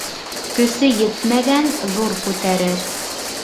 Көсө етмәгән ҙур күтәрер.